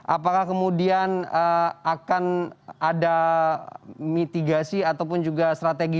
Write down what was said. apakah kemudian akan ada mitigasi ataupun juga strategi